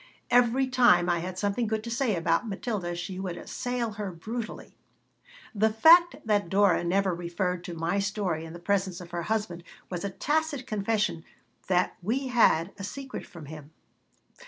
Every time I had something good to say about Matilda she would assail her brutally The fact that Dora never referred to my story in the presence of her husband was a tacit confession that we had a secret from him.